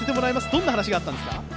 どんな話があったんですか？